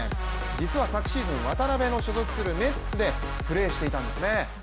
実は昨シーズン渡邊の所属するネッツでプレーしていたんですね。